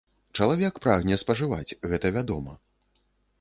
Чалавек прагне спажываць, гэта вядома.